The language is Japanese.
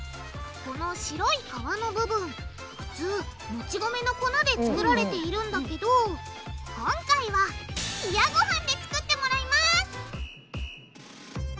この白い皮の部分普通もち米の粉で作られているんだけど今回は冷やごはんで作ってもらいます！